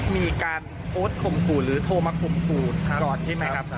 มีการโปรดคมคูรหรือโทรมาคมคูรก่อนใช่ไหมครับ